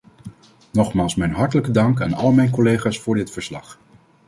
Nogmaals mijn hartelijke dank aan al mijn collega's voor dit verslag!